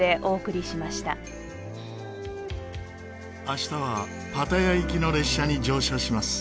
明日はパタヤ行きの列車に乗車します。